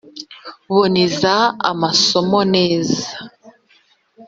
boneza amasomo neza